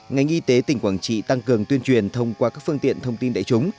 ngành y tế tỉnh quảng trị tăng cường tuyên truyền thông qua các phương tiện thông tin đại chúng